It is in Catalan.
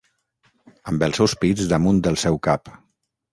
Amb els seus pits damunt del seu cap...